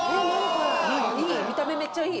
見た目、めっちゃいい。